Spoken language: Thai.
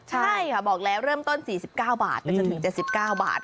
ใช่ค่ะบอกแล้วเริ่มต้น๔๙บาทไปจนถึง๗๙บาท